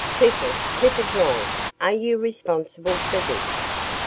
"Clifford, Clifford Long, are you responsible for this?"